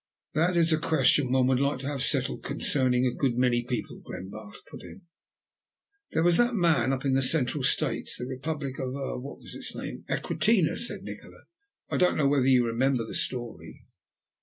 "That is a question one would like to have settled concerning a good many people," Glenbarth put in. "There was that man up in the Central States, the Republic of ah! what was its name? Equinata," said Nikola. "I don't know whether you remember the story."